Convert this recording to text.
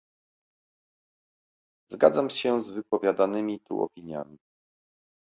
Zgadzam się z wypowiadanymi tu opiniami